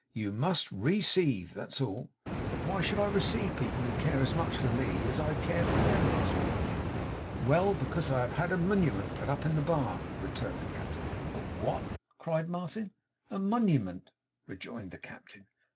You must re ceive. That's all.' 'But why should I receive people who care as much for me as I care for them?' asked Martin. 'Well! because I have had a muniment put up in the bar,' returned the Captain. 'A what?' cried Martin. 'A muniment,' rejoined the Captain.